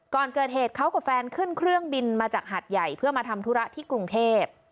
ก่อนเกิดเหตุเขากับแฟนขึ้นเครื่องบินมาจากหัดใหญ่เพื่อมาทำธุระที่กรุงเทพ